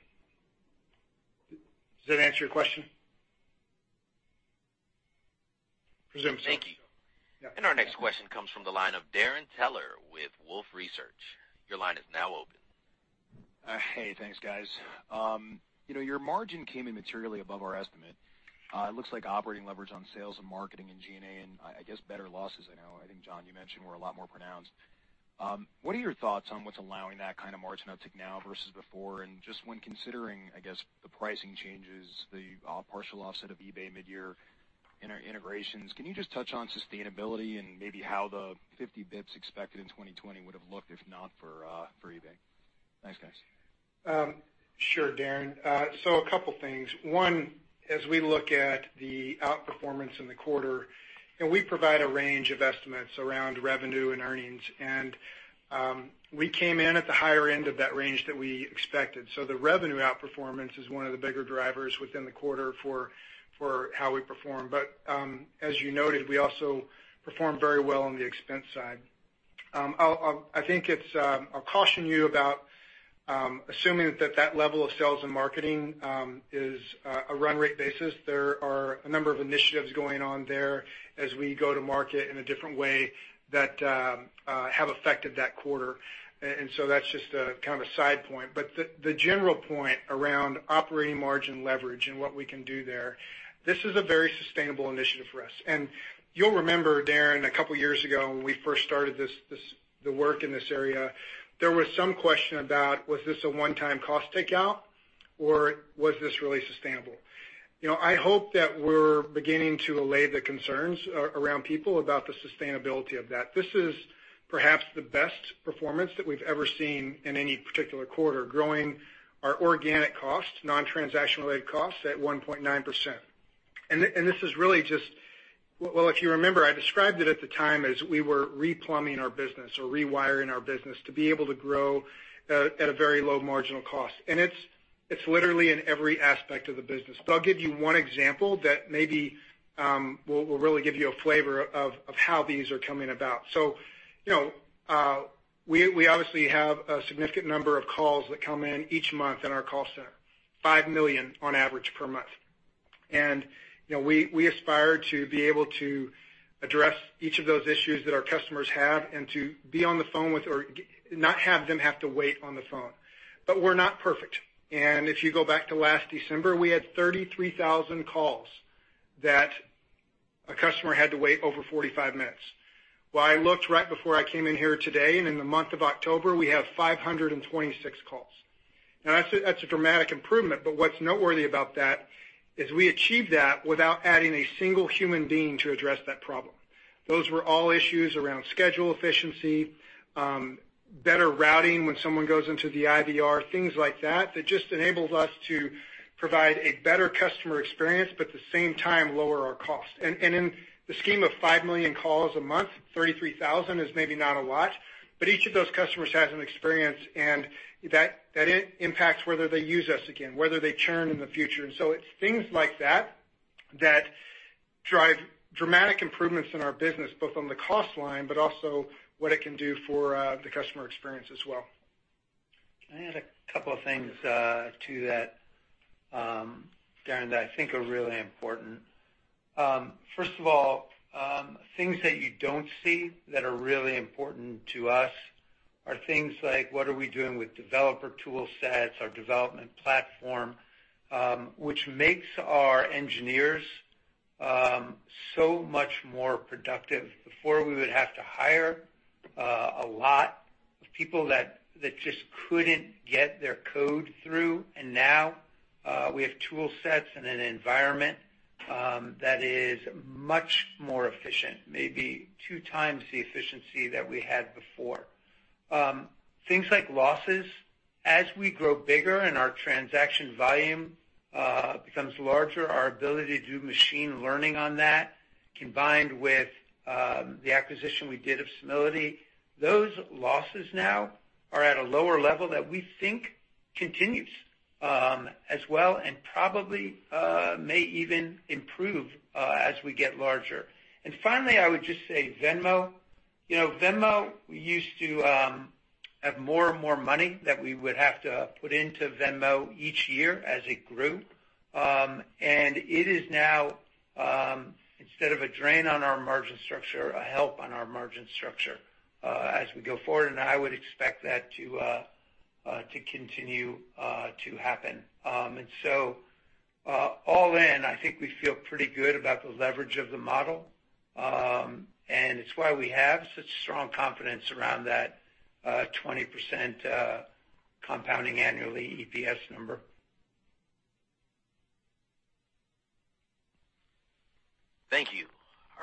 Does that answer your question? I presume so. Thank you. Yeah. Our next question comes from the line of Darrin Peller with Wolfe Research. Your line is now open. Hey, thanks guys. Your margin came in materially above our estimate. It looks like operating leverage on sales and marketing and G&A, and I guess better losses, I know. I think, John, you mentioned were a lot more pronounced. What are your thoughts on what's allowing that kind of margin uptick now versus before? Just when considering, I guess, the pricing changes, the partial offset of eBay mid-year integrations, can you just touch on sustainability and maybe how the 50 basis points expected in 2020 would have looked if not for eBay? Thanks, guys. Sure, Darrin. A couple things. One, as we look at the outperformance in the quarter, and we provide a range of estimates around revenue and earnings, and we came in at the higher end of that range that we expected. The revenue outperformance is one of the bigger drivers within the quarter for how we perform. As you noted, we also performed very well on the expense side. I'll caution you about assuming that level of sales and marketing is a run rate basis. There are a number of initiatives going on there as we go to market in a different way that have affected that quarter. That's just a kind of side point. The general point around operating margin leverage and what we can do there, this is a very sustainable initiative for us. You'll remember, Darrin, a couple of years ago when we first started the work in this area, there was some question about was this a one-time cost takeout or was this really sustainable? I hope that we're beginning to allay the concerns around people about the sustainability of that. This is perhaps the best performance that we've ever seen in any particular quarter, growing our organic costs, non-transaction related costs at 1.9%. This is really just. Well, if you remember, I described it at the time as we were replumbing our business or rewiring our business to be able to grow at a very low marginal cost. It's literally in every aspect of the business. I'll give you one example that maybe will really give you a flavor of how these are coming about. We obviously have a significant number of calls that come in each month in our call center, 5 million on average per month. We aspire to be able to address each of those issues that our customers have and to be on the phone with or not have them have to wait on the phone. We're not perfect. If you go back to last December, we had 33,000 calls that a customer had to wait over 45 minutes. I looked right before I came in here today, and in the month of October, we have 526 calls. That's a dramatic improvement, but what's noteworthy about that is we achieved that without adding a single human being to address that problem. Those were all issues around schedule efficiency, better routing when someone goes into the IVR, things like that just enabled us to provide a better customer experience, but at the same time lower our cost. In the scheme of 5 million calls a month, 33,000 is maybe not a lot, but each of those customers has an experience, and that impacts whether they use us again, whether they churn in the future. It's things like that that drive dramatic improvements in our business, both on the cost line, but also what it can do for the customer experience as well. Can I add a couple of things to that, Darrin, that I think are really important? First of all, things that you don't see that are really important to us are things like what are we doing with developer tool sets, our development platform, which makes our engineers so much more productive. Before we would have to hire a lot of people that just couldn't get their code through, and now we have tool sets and an environment that is much more efficient, maybe two times the efficiency that we had before. Things like losses. As we grow bigger and our transaction volume becomes larger, our ability to do machine learning on that, combined with the acquisition we did of Simility, those losses now are at a lower level that we think continues as well and probably may even improve as we get larger. Finally, I would just say Venmo. Venmo, we used to have more and more money that we would have to put into Venmo each year as it grew. It is now, instead of a drain on our margin structure, a help on our margin structure as we go forward. I would expect that to continue to happen. All in, I think we feel pretty good about the leverage of the model, and it's why we have such strong confidence around that 20% compounding annually EPS number. Thank you.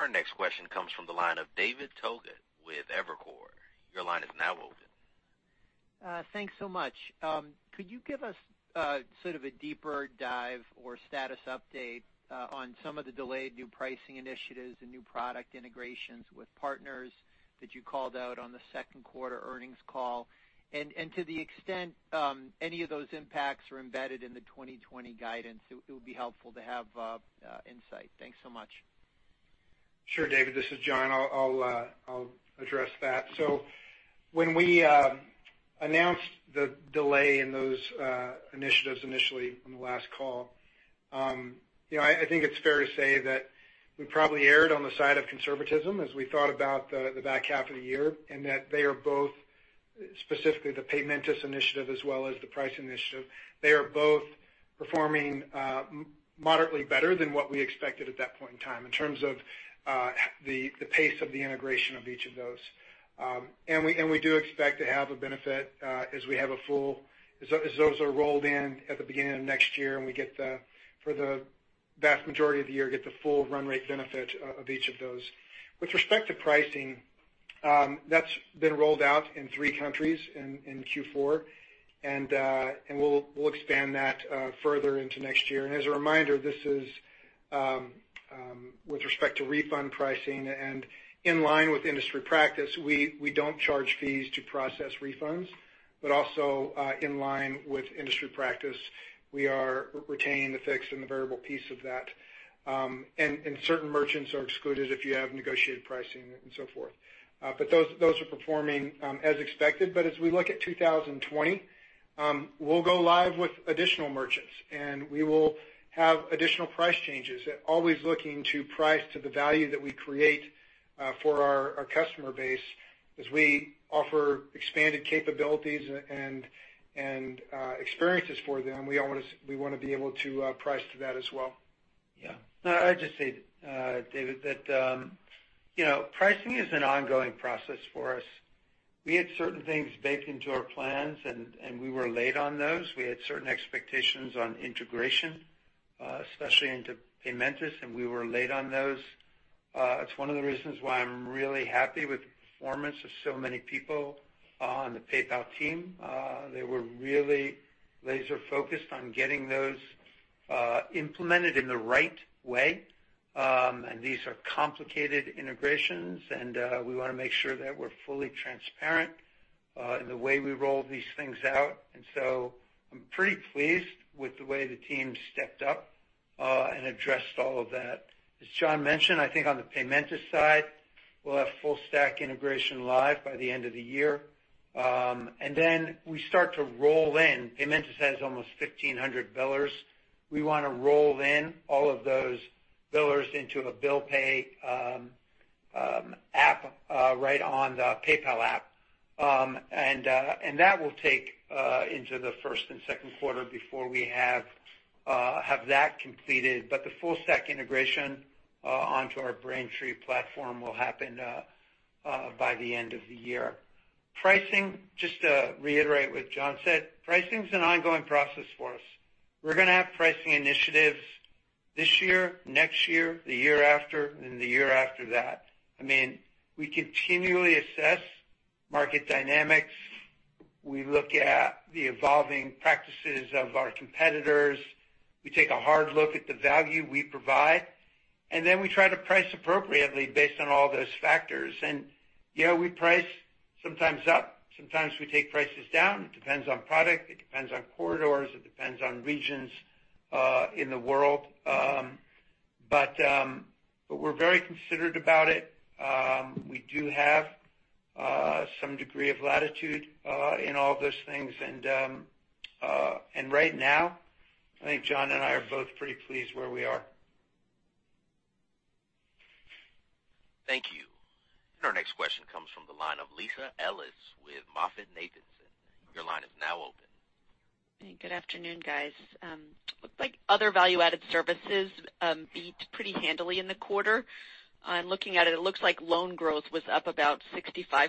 Our next question comes from the line of David Togut with Evercore. Your line is now open. Thanks so much. Could you give us sort of a deeper dive or status update on some of the delayed new pricing initiatives and new product integrations with partners that you called out on the second quarter earnings call? To the extent any of those impacts are embedded in the 2020 guidance, it would be helpful to have insight. Thanks so much. Sure, David. This is John. I'll address that. When we announced the delay in those initiatives initially on the last call, I think it's fair to say that we probably erred on the side of conservatism as we thought about the back half of the year, and that they are both, specifically the Paymentus initiative as well as the price initiative, they are both performing moderately better than what we expected at that point in time in terms of the pace of the integration of each of those. We do expect to have a benefit as those are rolled in at the beginning of next year, and we get, for the vast majority of the year, get the full run rate benefit of each of those. With respect to pricing, that's been rolled out in three countries in Q4, and we'll expand that further into next year. As a reminder, this is with respect to refund pricing, and in line with industry practice, we don't charge fees to process refunds, but also in line with industry practice, we are retaining the fixed and the variable piece of that. Certain merchants are excluded if you have negotiated pricing and so forth. Those are performing as expected. As we look at 2020, we'll go live with additional merchants, and we will have additional price changes, always looking to price to the value that we create for our customer base as we offer expanded capabilities and experiences for them. We want to be able to price to that as well. I'd just say, David, that pricing is an ongoing process for us. We had certain things baked into our plans, and we were late on those. We had certain expectations on integration, especially into Paymentus, and we were late on those. It's one of the reasons why I'm really happy with the performance of so many people on the PayPal team. They were really laser-focused on getting those implemented in the right way. These are complicated integrations, and we want to make sure that we're fully transparent in the way we roll these things out. I'm pretty pleased with the way the team stepped up and addressed all of that. As John mentioned, I think on the Paymentus side, we'll have full stack integration live by the end of the year. We start to roll in. Paymentus has almost 1,500 billers. We want to roll in all of those billers into a bill pay app right on the PayPal app. That will take into the first and second quarter before we have that completed. The full stack integration onto our Braintree platform will happen by the end of the year. Pricing, just to reiterate what John said, pricing is an ongoing process for us. We're going to have pricing initiatives this year, next year, the year after, and the year after that. We continually assess market dynamics. We look at the evolving practices of our competitors. We take a hard look at the value we provide, and then we try to price appropriately based on all those factors. We price sometimes up, sometimes we take prices down. It depends on product, it depends on corridors, it depends on regions in the world. We're very considerate about it. We do have some degree of latitude in all of those things. Right now, I think John and I are both pretty pleased where we are. Thank you. Our next question comes from the line of Lisa Ellis with MoffettNathanson. Your line is now open. Hey, good afternoon, guys. Looks like other value-added services beat pretty handily in the quarter. Looking at it looks like loan growth was up about 65%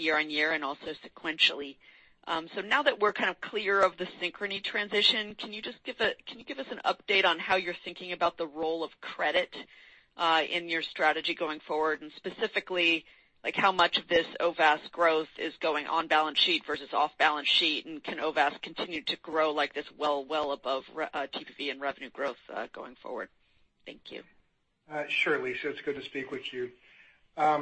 year-on-year and also sequentially. Now that we're kind of clear of the Synchrony transition, can you give us an update on how you're thinking about the role of credit in your strategy going forward? Specifically, how much of this OVAS growth is going on-balance sheet versus off-balance sheet? Can OVAS continue to grow like this well above TPV and revenue growth going forward? Thank you. Sure, Lisa, it's good to speak with you. As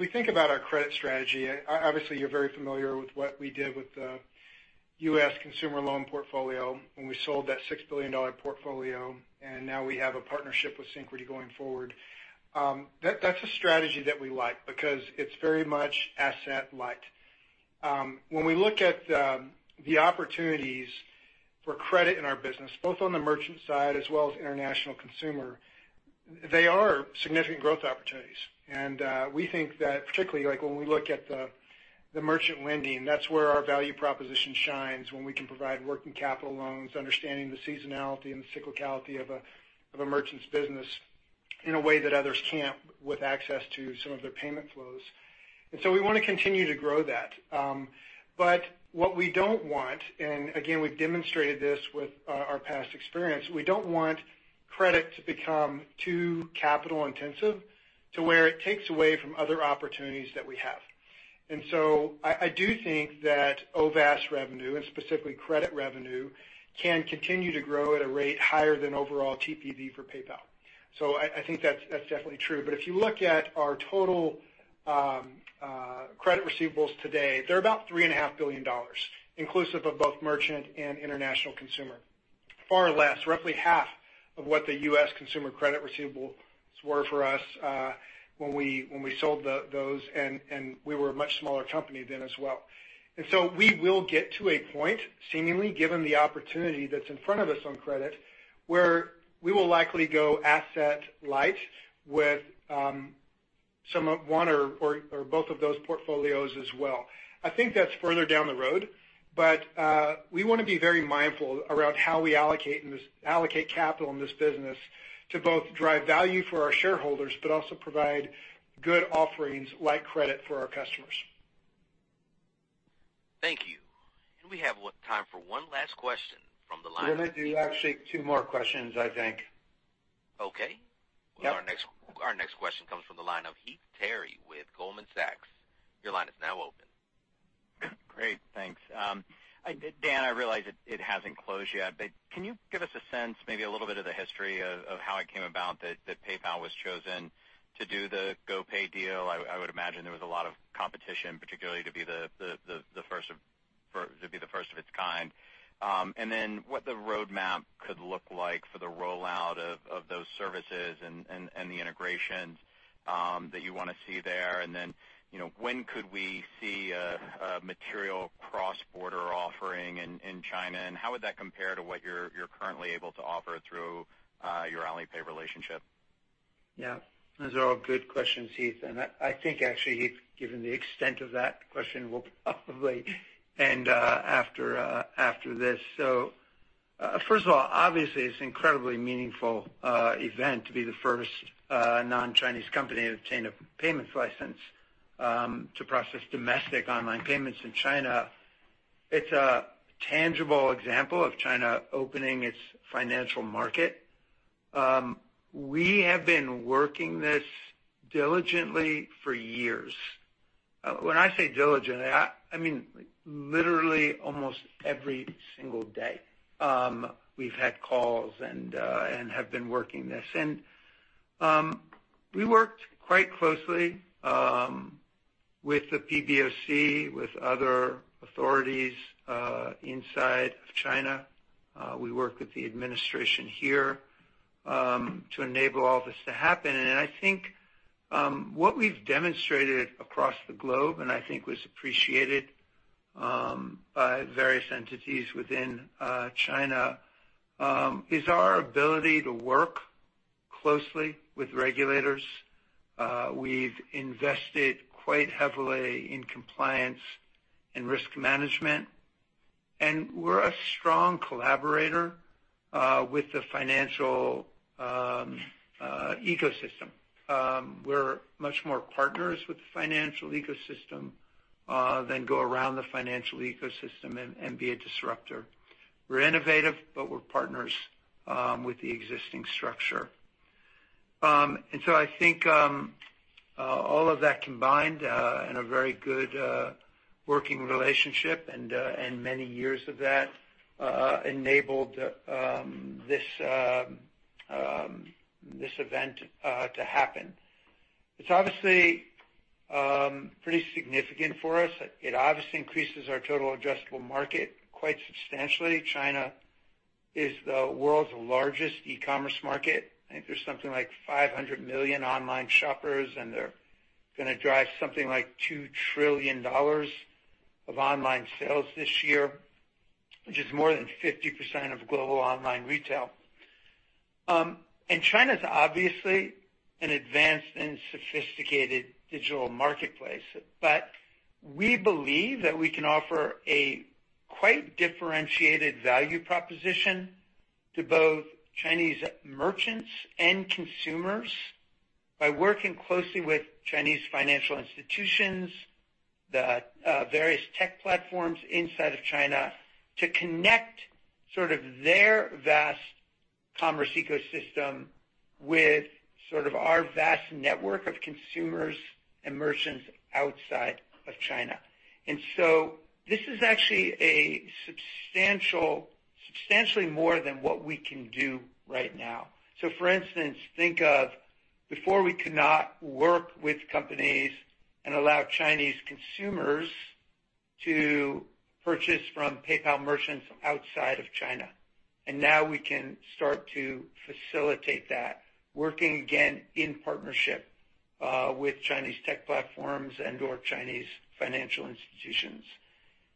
we think about our credit strategy, obviously you're very familiar with what we did with the U.S. consumer loan portfolio when we sold that $6 billion portfolio, now we have a partnership with Synchrony going forward. That's a strategy that we like because it's very much asset light. When we look at the opportunities for credit in our business, both on the merchant side as well as international consumer, they are significant growth opportunities. We think that particularly like when we look at the merchant lending, that's where our value proposition shines when we can provide working capital loans, understanding the seasonality and the cyclicality of a merchant's business in a way that others can't with access to some of their payment flows. We want to continue to grow that. What we don't want, and again, we've demonstrated this with our past experience, we don't want credit to become too capital intensive to where it takes away from other opportunities that we have. I do think that OVAS revenue and specifically credit revenue can continue to grow at a rate higher than overall TPV for PayPal. I think that's definitely true, but if you look at our total credit receivables today, they're about $3.5 billion, inclusive of both merchant and international consumer. Far less, roughly half of what the U.S. consumer credit receivables were for us when we sold those, and we were a much smaller company then as well. We will get to a point, seemingly, given the opportunity that's in front of us on credit, where we will likely go asset light with one or both of those portfolios as well. I think that's further down the road, but we want to be very mindful around how we allocate capital in this business to both drive value for our shareholders, but also provide good offerings like credit for our customers. Thank you. We have time for one last question from the line. We're going to do actually two more questions, I think. Okay. Yep. Our next question comes from the line of Heath Terry with Goldman Sachs. Your line is now open. Great. Thanks. Dan, I realize it hasn't closed yet, but can you give us a sense, maybe a little bit of the history of how it came about that PayPal was chosen to do the GoPay deal? I would imagine there was a lot of competition, particularly to be the first of its kind. What the roadmap could look like for the rollout of those services and the integrations that you want to see there. When could we see a material cross-border offering in China, and how would that compare to what you're currently able to offer through your Alipay relationship? Yeah. Those are all good questions, Heath. I think actually, Heath, given the extent of that question, we'll probably end after this. First of all, obviously, it's incredibly meaningful event to be the first non-Chinese company to obtain a payments license to process domestic online payments in China. It's a tangible example of China opening its financial market. We have been working this diligently for years. When I say diligently, I mean, literally almost every single day. We've had calls and have been working this. We worked quite closely with the PBOC, with other authorities inside of China. We worked with the administration here to enable all this to happen. I think what we've demonstrated across the globe, and I think was appreciated by various entities within China, is our ability to work closely with regulators. We've invested quite heavily in compliance and risk management, and we're a strong collaborator with the financial ecosystem. We're much more partners with the financial ecosystem than go around the financial ecosystem and be a disruptor. We're innovative, but we're partners with the existing structure. I think all of that combined in a very good working relationship and many years of that enabled this event to happen. It's obviously pretty significant for us. It obviously increases our total addressable market quite substantially. China is the world's largest e-commerce market. I think there's something like 500 million online shoppers, and they're gonna drive something like $2 trillion of online sales this year, which is more than 50% of global online retail. China's obviously an advanced and sophisticated digital marketplace, but we believe that we can offer a quite differentiated value proposition to both Chinese merchants and consumers by working closely with Chinese financial institutions, the various tech platforms inside of China to connect sort of their vast commerce ecosystem with sort of our vast network of consumers and merchants outside of China. This is actually substantially more than what we can do right now. For instance, think of before we could not work with companies and allow Chinese consumers to purchase from PayPal merchants outside of China. Now we can start to facilitate that, working again in partnership with Chinese tech platforms and/or Chinese financial institutions.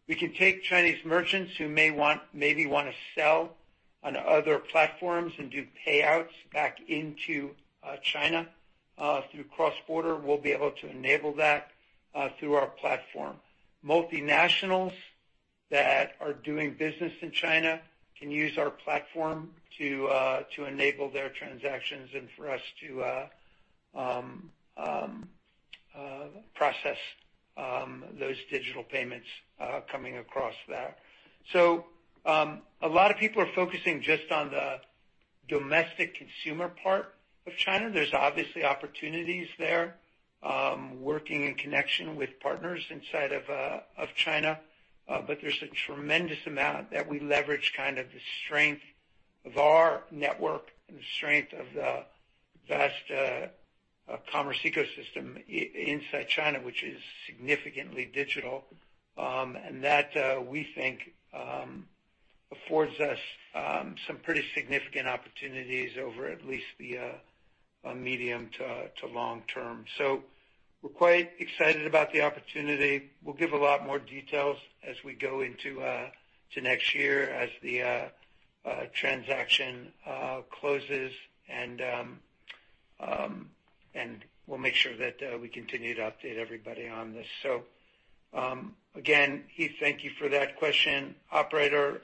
We can take Chinese merchants who maybe want to sell on other platforms and do payouts back into China through cross-border. We'll be able to enable that through our platform. Multinationals that are doing business in China can use our platform to enable their transactions and for us to process those digital payments coming across there. A lot of people are focusing just on the domestic consumer part of China. There's obviously opportunities there, working in connection with partners inside of China. There's a tremendous amount that we leverage kind of the strength of our network and the strength of the vast commerce ecosystem inside China, which is significantly digital. That we think affords us some pretty significant opportunities over at least the medium to long term. We're quite excited about the opportunity. We'll give a lot more details as we go into next year as the transaction closes. We'll make sure that we continue to update everybody on this. Again, Heath, thank you for that question. Operator,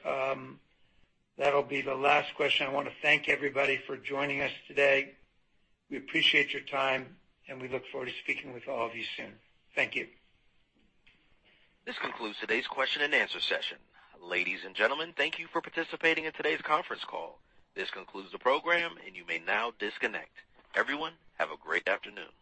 that'll be the last question. I want to thank everybody for joining us today. We appreciate your time, and we look forward to speaking with all of you soon. Thank you. This concludes today's question and answer session. Ladies and gentlemen, thank you for participating in today's conference call. This concludes the program, and you may now disconnect. Everyone, have a great afternoon.